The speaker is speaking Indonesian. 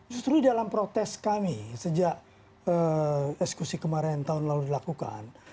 justru dalam protes kami sejak eksekusi kemarin tahun lalu dilakukan